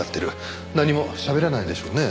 何もしゃべらないでしょうね。